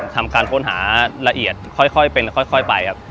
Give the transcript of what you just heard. ทำการค้นหาละเอียดค่อยเป็นค่อยไปครับ